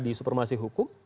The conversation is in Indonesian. di supermasih hukum